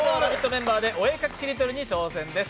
メンバーでお絵描きしりとりに挑戦です。